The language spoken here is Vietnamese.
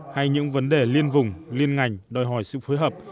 hay những vấn đề liên vùng liên ngành đòi hỏi sự phối hợp